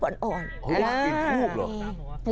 กลิ่นถูกเหรอ